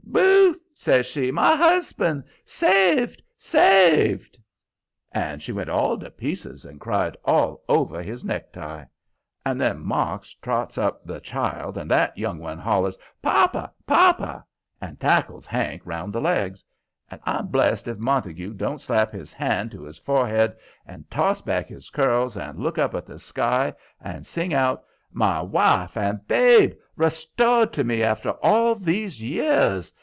"Booth!" says she. "My husband! Saved! Saved!" And she went all to pieces and cried all over his necktie. And then Marks trots up the child, and that young one hollers: "Papa! papa!" and tackles Hank around the legs. And I'm blessed if Montague don't slap his hand to his forehead, and toss back his curls, and look up at the sky, and sing out: "My wife and babe! Restored to me after all these years!